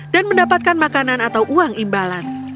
dan mendapatkan makanan atau uang imbalan